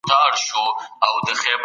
د لويي جرګې د پایلو پلي کول ولي ځنډیږي؟